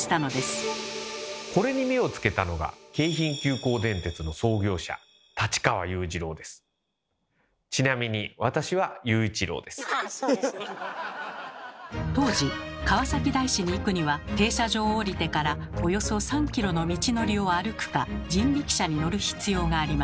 これに目をつけたのが当時川崎大師に行くには停車場を降りてからおよそ３ｋｍの道のりを歩くか人力車に乗る必要がありました。